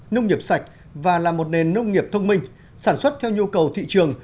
nông nghiệp sạch và là một nền nông nghiệp thông minh sản xuất theo nhu cầu thị trường